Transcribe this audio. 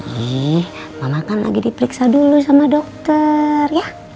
nih mama kan lagi diperiksa dulu sama dokter ya